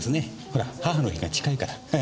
ほら母の日が近いから。